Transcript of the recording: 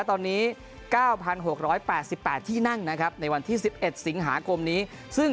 ตอนนี้๙๖๘๘ที่นั่งนะครับในวันที่๑๑สิงหาคมนี้ซึ่ง